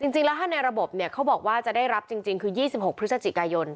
จริงแล้วถ้าในระบบเนี่ยเขาบอกว่าจะได้รับจริงคือ๒๖พฤศจิกายน